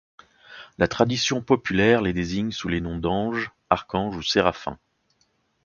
La tradition populaire les désigne sous les noms d'anges, archanges ou séraphins.